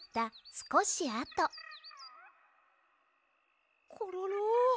すこしあとコロロ。